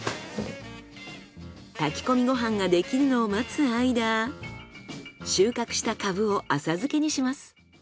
炊き込みご飯ができるのを待つ間収穫したカブを浅漬けにします。